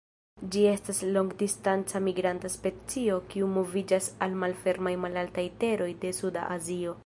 Ĝi estas longdistanca migranta specio kiu moviĝas al malfermaj malaltaj teroj de suda Azio.